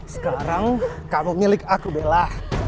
sekarang kamu milik aku bella